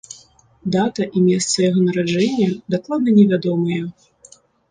Дата і месца яго нараджэння дакладна невядомыя.